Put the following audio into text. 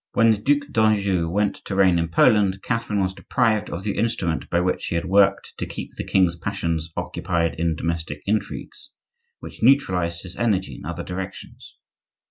When the Duc d'Anjou went to reign in Poland Catherine was deprived of the instrument by which she had worked to keep the king's passions occupied in domestic intrigues, which neutralized his energy in other directions.